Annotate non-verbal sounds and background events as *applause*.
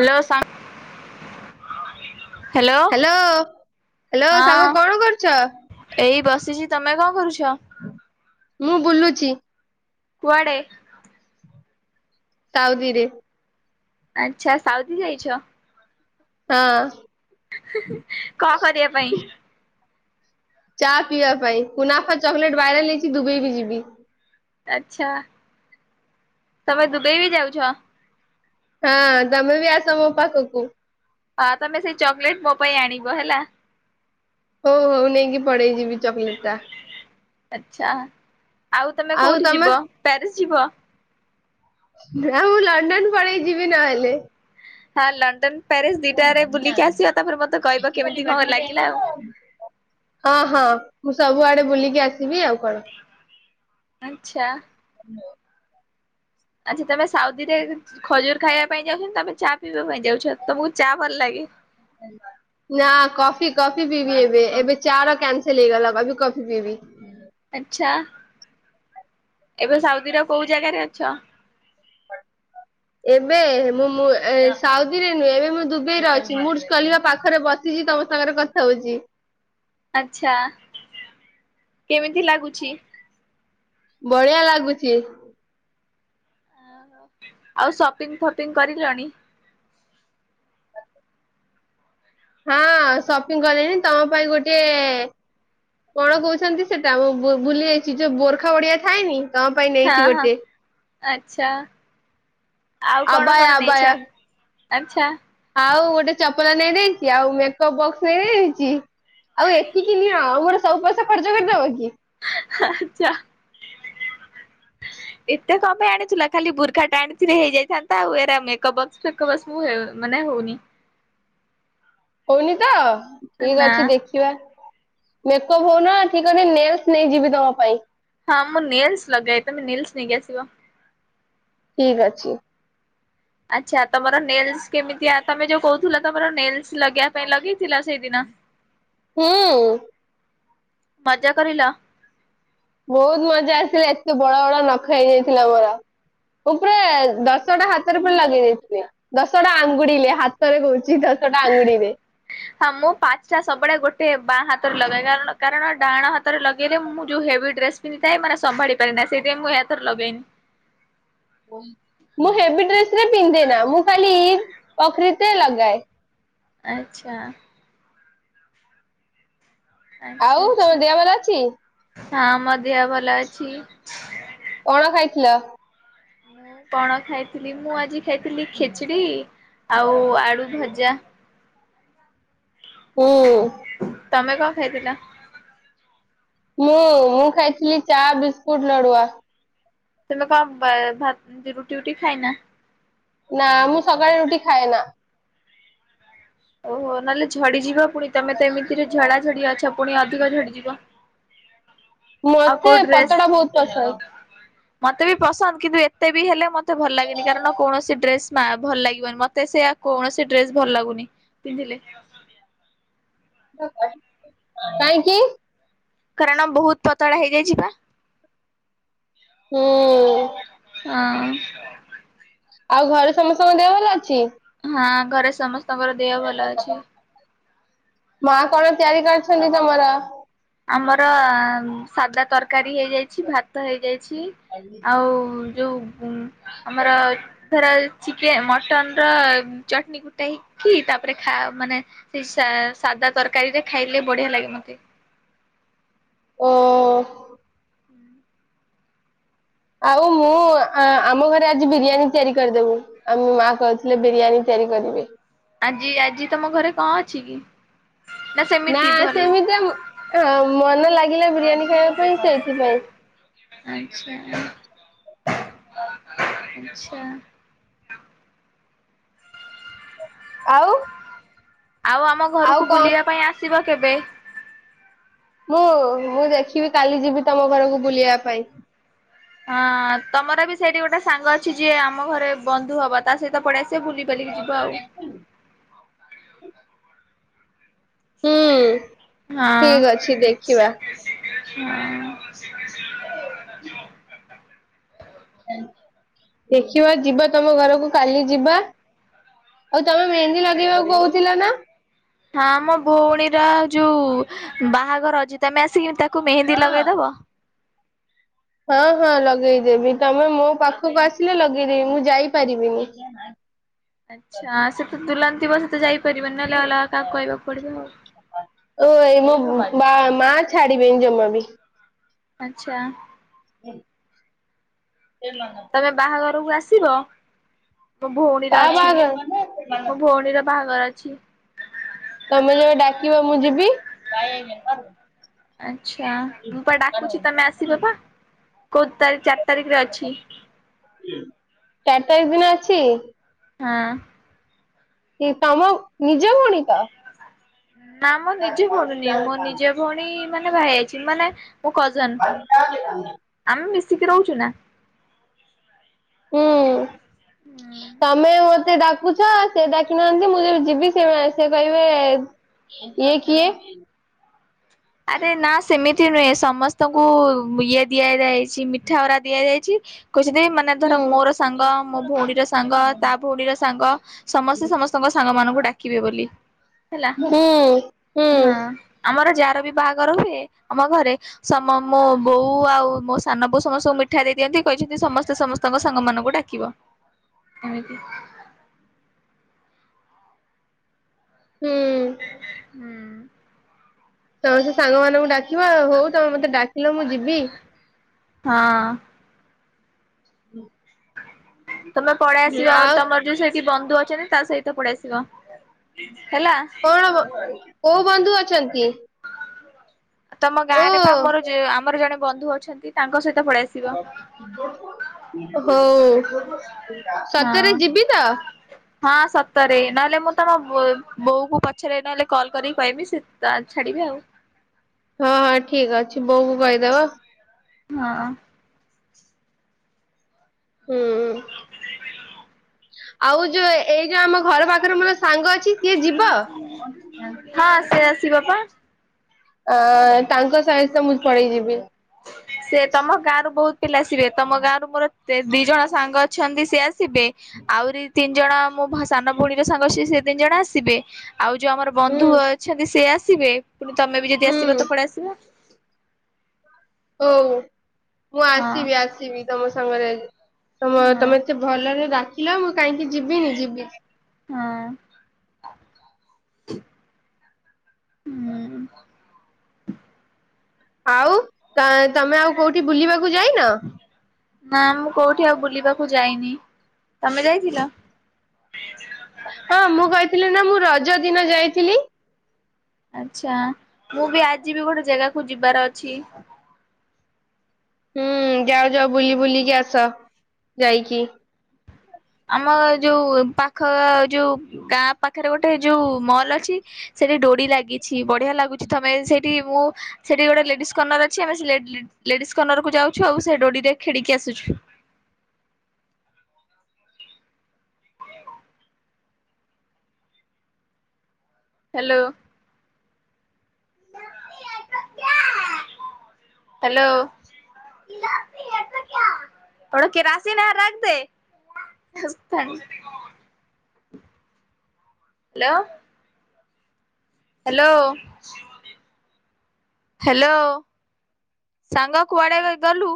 Hello ସାଙ୍ଗ hello hello ସାଙ୍ଗ ହଁ କଣ କରୁଛ? ଏଇ ବସିଛି। ତମେ କଣ କରୁଛ? ମୁଁ ବୁଲୁଚି। କୁଆଡେ? ସାଉଦିରେ। ଆଚ୍ଛା ସାଉଥି ଯାଇଛ? ହଁ। କଣ କରିବା ପାଇଁ? ଚା ପିଇବା ପାଇଁ ପୁନାଫା ଚକଲେଟ ଭାଇରାଲ ହେଇଛି ଦୁବେଇ ବି ଯିବି। ଆଛା ତମେ ଦୁବାଇ ବି ଯାଉଛ। ହଁ ତମେ ବି ଆସ ମୋ ପାଖକୁ। ହ ତମେ ସେଇ ଚକୋଲେଟ ମୋ ପାଇଁ ଆଣିବ ହେଲା। ହଉ ହଉ ନେଇକି ପଡେଇ ଯିବି ଚକୋଲେଟ ଟା। ଆଛା ଆଉ ତମେ କୋଉଠି ଯିବ ପ୍ୟାରିସ ଯିବ? ଆ ମୁଁ ଲଣ୍ଡନ ପଳେଇ ଯିବି ନହେଲେ। ହଁ ଲଣ୍ଡନ ପ୍ୟାରିସ ଦିଟାରେ ବୁଲିକି ଆସିବ ତାପରେ ମତେ କହିବ କେମିତି କଣ ଲାଗିଲା ଆଉ। ଅଁ ହଁ ମୁଁ ସବୁଆଡେ ବୁଲିକି ଆସିବି ଆଉ କଣ। ଆଚ୍ଛା। ଆଚ୍ଛା ତମେ ସାଉଦିରେ ଖଜୁର ଖାଇବା ପାଇଁ ଯାଉଛ ତମେ ଚା ପିଇବା ପାଇଁ ଯାଉଛ ତମକୁ ଚା ଭଲ ଲାଗେ। *inaudible* ନା କଫି କଫି ପିଇବି ଏବେ ଏବେ ଚା ର କ୍ୟାନସେଲ ହେଇଗଲା କି କଫି ପିଇବି। ଆଛା ଏବେ ସାଉଦିର କୋଉ ଜାଗାରେ ଅଛ? ଏବେ ମୁଁ ମୁଁ ସାଉଦିରେ ନୁହେଁ ଏବେ ମୁଁ ଦୁବାଇରେ ଅଛି ମୁରଜଖାଲିଫା ପାଖରେ ବସିଛି। ତମ ସାଙ୍ଗରେ କଥା ହଉଚି। ଆଚ୍ଛା କେମିତି ଲାଗୁଛି? ବଢିଆ ଲାଗୁଚି। ଓହୋ ଆଉ ସପିଂ ଫପିଂ କରିଲଣି। ହଁ ସପିଂ କ କଣ କହୁଛନ୍ତି ସେଟା ମୁଁ ଭୁ ଭୁଲି ଯାଇଛି ଯୋଉ ବୋରଖା ବଡିଆ ଥାଏନି ତମ ପାଇଁ ହଁ ନେଇଛି ହଁ ଗୋଟେ ଆଚ୍ଛା। ଆଉ କଣ ଆବାୟା କଣ ଆବାୟା ନେଇଛ ଆଛା। ଆଉ ଗୋଟେ ଚପଲ ନେଇଦେଇଛି ଆଉ ମେକଅପ୍ ବକ୍ସ ନେଇଦେଇଛି। ଆଉ ଏତିକି ନିଁ ଆଉ ମୋର ସବୁ ପଇସା ଖର୍ଚ୍ଚ କରିଦବ କି? ଆଚ୍ଛା। ଏତେ କଣ ପାଇଁ ଆଣିଥିଲେ ଖାଲି ବୁର୍ଖା ଟା ଆଣିଥିଲେ ହେଇଯାଇଥାନ୍ତା ଆଉ ଏରା ମେକପ ଫେକପ ମୁଁ ଏଁ ନାଇଁ ହଉନି। ହଉନି ତ ଠିକ ନା ଅଛି ଦେଖିବା। ମେକଅପ ହଉନ ଠିକ ଅଛି ନେଲସ ନେଇଯିବି ତମ ପାଇଁ। ହଁ ମୁଁ ନେଲ୍ସ ଲଗାଏ ତମେ ନେଲ୍ସ ନେଇକି ଆସିବ। ଠିକ ଅଛି। ଆଚ୍ଛା ତମର ନେଲ୍ସ କେମିତିଆ ତମେ ଯୋଉ କହୁଥିଲ ତମର ନେଲ୍ସ ଲଗେଇବା ପାଇଁ ଲଗେଇଥିଲ। ସେଦିନ ହୁଁ! ମଜା କରିଲ! ବହୁତ ମଜା ଆସିଲା, ଏତେ ବଡ ବଡ ନଖ ହେଇଯାଇଥିଲା ମୋର! ମୁଁ ପୁରା ଦଶଟା ହାତରେ ପୁଣି ଲଗେଇ ଦେଇଥିଲି ଦଶଟା ଆଙ୍ଗୁଡିରେ। ହଁ ମୁଁ ପାଞ୍ଚଟା ସବୁବେଳେ ଗୋଟେ ବାଁ ହାତରେ ଲଗେଇଏ କାର କଣ ଡାହାଣ ହାତରେ ଲଗେଇଲେ ମୁଁ ଯଉ ହେଭି ଡ୍ରେସ୍ ପିନ୍ଧିଥାଏ ମାନେ ସମ୍ଭାଳି ପାରାରେ ନାହି ସେଇ ଦେମୁ ଏଥର ଲଗେଇ! ପୁଁ *unintelligible* ପଖରିିତେ ଲଗାଇ ଆଚ୍ଛା। ଆଚ୍ଛା ଆଉ ତମ ଆଚ୍ଛା ଦେହ ଭଲ ଅଛି। ହଁ ମୋ ଦେହ ଭଲ ଅଛି। କଣ ଖାଇଥିଲ? ମୁଁ କଣ ଖାଇଥିଲି? ଥିଲି ମୁଁ ଆଜି ଖାଇଥିଲି ଖିଚିଡୀ ଆଉ ଆଳୁ ଭଜା। ହୁଁ। ତମେ କଣ ଖାଇଥିଲ? ମୁଁ ମୁଁ ଖାଇଥିଲି ଚା ବିସ୍କୁଟ୍ ନଡୁଆ। ତୁମେ କ ଭା-ଭାତ ରୁଟି ଫୁଟି ଖାଇ ନା? ନା ମୁଁ ସକାଳେ ରୁଟି ଖାଏନା। ଓହୋ ନହେଲେ ଝଡିଯିବ, ପୁଣି ତମେ ତ ଏମିତିରେ ଝଡା ଝଡି ଅଛ ପୁଣି ଅଧିକ ଝଡିଯିବ। ଆଉ ମତେ କୋଉ ଡ୍ରେସ୍ ପତଳା ବହୁତ ପସନ୍ଦ। ମତେ ବି ପସନ୍ଦ କିନ୍ତୁ ଏତେ ବି ହେଲେ ମତେ ଭଲ ଲାଗେନି କାରଣ କୌଣସି ଡ୍ରେସ୍ ମା ଭଲ ଲାଗିବନି ମତେ ସେଆ କୌଣସି ଡ୍ରେସ ଭଲ ଲାଗୁନି ପିନ୍ଧିଲେ। କାହିଁକିି? କାରଣ ବହୁତ ପତଳା ହେଇଯାଇଚି ପା। ହୁଁ। ହଁ। ଆଉ ଘରେ ସମସ୍ତଙ୍କ ଦେହ ଭଲ ଅଛି? ହଁ ଘରେ ସମସ୍ତଙ୍କର ଦେହ ଭଲ ଅଛି। ମା କଣ *unintelligible* ତମର। ଆମର ସାଧା ତରକାରୀ ହେଇଯାଇଛି ଭାତ ହେଇଯାଇଚି। ଛି ଆଉ ଯୋଉ ଆମର ଧର ଚିକେ ମଟନ୍ ର ଚଟନୀ କୁଟାହେଇକି ତାପରେ ଖାଅ ମାନେ ନିଶା ସାଧା ତରକାରୀରେ ଖାଇଲେ ବଢିଆ ଲାଗେ ମତେ। ଓ। *inaudible* ଆଉ ମୁଁ ଆ-ଆମ ଘରେ ଆଜି ବିରିୟାନୀ ତିଆରି କରିଦେବୁ । ଆମ ମା କହୁଥିଲେ ବିରିୟାନୀ ତେ ତିଆରି କରିବେ। ଆଜି ଆଜି ତମ ଘରେ କଣ ଅଛି କି? ନା ସେମିତି ଭଲ ସେମିତି ମନ ଲାଗିଲା ବିରିୟାନୀ ଖାଇବା ପାଇଁ ସେଇଥିପାଇଁ! *unintelligible* *inaudible* ଆଉ ଆଉ ଆମ ଆଉ ଘରକୁ କଣ ବୁଲିବା ପାଇଁ ଆସିବ କେବେ? ମୁଁ ମୁଁ ଦେଖିବି କାଲି ଯିବି ତମ ଘରକୁ ବୁଲିବା ପାଇଁ। ହଁ ତମର ବି ସେଇଠି ଗୋଟେ ସାଙ୍ଗ ଅଛି ଯିଏ ଆମ ଘରେ ବନ୍ଧୁ ହବ ତା ସହିତ ପଲେଇଆ ସେ ବୁଲି ବାଲିକି ଯିବ ଆଉ। ହୁଁ ହଁ ଠିକ ଅଛି ଦେଖିବା। ହଁ। *unintelligible* ଦେଖିବା ଯିବା ତମ ଘରକୁ କାଲି ଯିବା ଆଉ ତମେ ମେହେନ୍ଦୀ ଲଗେଇବାକୁ କହୁଥିଲ ନା! ହଁ ମୋ ଭଉଣୀର ଯୋଉ ବାହାଘର ଅଛି ତମେ ଆସିକି ତାକୁ କୁ ମେହେନ୍ଦି ଲଗେଇଦବ। ହଁ ହଁ ଲଗେଇଦେବି। ତମେ ମୋ ପାଖକୁ ଆସିଲେ ଲଗେଇଦବି ମୁଁ ଯାଇପାରିବିନି। ଆଚ୍ଛା ସେତେ ଦୁହ୍ଲନ୍ ଥିବ ସେତ ଯାଇ ପାରିବନି ନହେଲେ ଅଲଗା କାହାକୁ କହିବାକୁ ପଡିବ ଆଉ। ଓ ଏଇ ମୋ ବା ମା ଛାଡ଼ିବେନି ଜମା ବି। ଆଚ୍ଛା। କିଏ ନ ନବ? କୁ ଆସିବ ମୋ କା ଭଉଣୀର ଅଛି ବାହାଘର ମୋ ଭଉଣୀର ବାହାଘର। *unintelligible* ତମେ ଯେବେ ଡାକିବ ମୁଁ ଯିବି। ଆଚ୍ଛା ମୁଁ ପା ଡାକୁଛି ତମେ ଆସିବ ପା। କୋଉ ତାରିଖ ଚାରି ତାରିଖରେ ଅଛି। ଚାରି ତାରିଖ ଦିନ ଅଛି? ହଁ। ତମ ନିଜ ଭଉଣି ତ! ନା ମୋ ନିଜ ଭଉଣୀ ନୁହେଁ। ମୋ ନିଜେ ଭଉଣୀ ମାନେ ବାହା ହେଇଯାଇଛି। ମାନେ ମୋ କଜନ। ଆମେ ମିଶିକି ରହୁଛୁ ନା। ହୁଁ ତମେ ମୋ ଡାକୁଛ ସେ ଡାକିନାହାନ୍ତି ମୁଁ ଯିବି ସେ କହିବେ ଇଏ କିଏ? ଆରେ ନା ସେମିତି ନୁହେଁ। ସମସ୍ତଙ୍କୁ ଇଏ ଦିଆଯାଏ ସେ ମିଠା ଗୁରା ଦିଆଯାଇଛି। *unintelligible* ମାନେ ଧର ହୁଁ ମୋର ସାଙ୍ଗ ମୋ ଭଉଣୀର ସାଙ୍ଗ ତା ଭଉଣୀର ସାଙ୍ଗ ସମସ୍ତେ ସମସ୍ତଙ୍କ ସାଙ୍ଗ ମାନଙ୍କୁ ଡାକିବେ ବୋଲି ହେଲା। ହୁଁ ହୁଁ ହଁ ଆମର ଯାହାର ବି ବାହାଘର ହୁଏ। ଆମ ଘରେ ସମ ମୋ ବୋଉ ଆଉ ମୋ ସାନ ବୋଉ ସମସ୍ତଙ୍କୁ ମିଠା ଦେଇ ଦିଅନ୍ତି କ କହିଛନ୍ତି ସମସ୍ତେ ସମସ୍ତଙ୍କ ସାଙ୍ଗ ମାନଙ୍କୁ ଡାକିବ। *inaudible* ହୁଁ। ହୁଁ। ସମସ୍ତେ ସାଙ୍ଗ ମାନଙ୍କୁ ଡାକିବ ହଉ ତମେ ମତେ ଡାକିଲ ମୁଁ ଯିବି। ହଁ। ହଁ ତମେ ପଳେଇ ଆସିବ ଆଉ ତମର ଯୋଉ ସେଇଠି ବନ୍ଧୁ ଅଛନ୍ତି ତା ସହିତ ପଳେଇ ଆସିବ। ହେଲା କଣ କୋଉ ବନ୍ଧୁ ଅଛନ୍ତି? ତମ ଗାଁ ଓ ରେ ବା ଆମର ଆମର ଜଣେ ବନ୍ଧୁ ଅଛନ୍ତି ତାଙ୍କ ସହିତ ପଳେଇ ଆସିବ। ହୋ। ହଁ। ସଚରେ ଯିବି ତ? ହଁ ସତରେ ନହେଲେ ମୁଁ ତମ ବୋଉ କୁ ପଛରେ ନହେଲେ କଲ୍ କରିକି କହିବି ସେ ଛାଡିବେ‌। ହଉ। ହଁ-ହଁ ଠିକ ଅଛି ବୋଉକୁ କହିଦବ। ହଁ। ହୁଁ ଆଉ ଯୋଉ ଏ ଯୋଉ ଆମ ଘର ପାଖରେ ମୋର ସାଙ୍ଗ ଅଛି ସିଏ ଯିବ? ହ ଅ ତାଙ୍କ ସହିସ ମୁଁ ପଳେଇ ଯିବି। ସେ ତମ ଗାଁ ରରୁ ବହୁତ ପିଲା ଆସିବେ ତମ ଗାଁ ର ମୋର ଦି ଜଣ ସାଙ୍ଗ ଅଛନ୍ତି ସି ଆସିବେ। ଆହୁରି ତିନି ଜଣ ମୋ ସାନ ଭଉଣୀ ର ସାଙ୍ଗ ସେ-ସେ ତିନି ଜଣ ଆସିବେ। ଆଉ ଯୋଉ ଆମର ହୁଁ ବନ୍ଧୁ ଅଛନ୍ତି ସେ ଆସିବେ ପୁଣି ତମେବି ଯଦି ଆସିବ ହୁଁ ପଳେଇ ଆସିବ। ହଉ ମୁଁ ହଁ ଆସିବି-ଆସିବି ତମ ସାଙ୍ଗରେ। ତମ ହଁ ତମେ ଏତେ ଭଲରେ ଡାକିଲ ମୁଁ କାହିଁକି ଯିବିନି ଯିବି। ହଁ ହୁଁ। ହୁଁ। ଆଉ ତମେ ଆଉ କୋଉଠି ବୁଲିବାକୁ ଯାଇନ? ନା ମୁଁ କୋଉଠି ଆଉ ବୁଲିବାକୁ ଯାଇନି ତମେ ଯାଇଥିଲ? ହଁ ମୁଁ କହିଥିଲି ନା ମୁଁ ରଜ ଦିନ ଯାଇଥିଲି। ଆଚ୍ଛା ମୁଁ ବି ଆଜି ବି ଗୋଟେ ଜାଗାକୁ ଯିବାର ଅଛି। ହୁଁ ଯାଅ-ଯାଅ ବୁଲି ବୁଲିକି ଆସ ଯାଇକି। ଆମ ଯୋଉ ପାଖ ଯୋଉ ଗାଁ ପାଖରେ ଗୋଟେ ଯୋଉ ମଲ ଅଛି ସେଇଠି ଡୋଡ଼ି ଲାଗିଛି ବଢ଼ିଆ ଲାଗୁଛି ତମେ ସେଇଠି ମୁଁ ସେଠି ଗୋଟେ ଲେଡିସ୍ କର୍ଣ୍ଣର ଅଛି ଆମେ ଲେଡିସ୍ କରନର କୁ ଯାଉଛୁ ଆଉ ସେ ଡୋଡିରେ ଖେଳିକି ଆସୁଛୁ। ହ୍ୟାଲୋ। ହ୍ୟାଲୋ। କଣ କେରାସିନ ହେ ରଖ ଥା। ହ୍ୟାଲୋ। ହ୍ୟାଲୋ। ହ୍ୟାଲୋ ସାଙ୍ଗ କୁଆଡଆ ଗଲୁ।